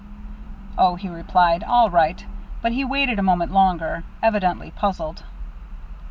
"Oh," he replied, "all right" But he waited a moment longer, evidently puzzled.